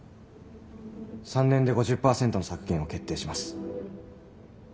３年で５０％の削減を決定します。